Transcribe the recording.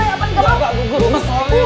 enggak gua cuma mau